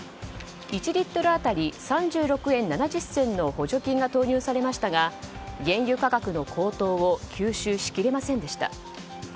１リットル当たり３６円７０銭の補助金が投入されましたが原油価格の高騰を吸収しきれませんでした。